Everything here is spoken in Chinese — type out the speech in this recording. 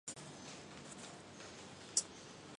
光叶巴豆为大戟科巴豆属下的一个种。